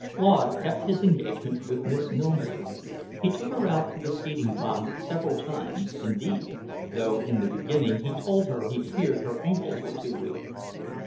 Claude kept his engagement with Miss Millmore. He took her out to the skating pond several times, indeed, though in the beginning he told her he feared her ankles were too weak.